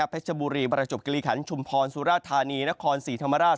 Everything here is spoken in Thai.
เพชรบุรีประจบกิริขันชุมพรสุราธานีนครศรีธรรมราช